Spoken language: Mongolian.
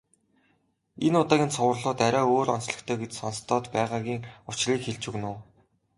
Энэ удаагийн цувралууд арай өөр онцлогтой гэж сонстоод байгаагийн учрыг хэлж өгнө үү.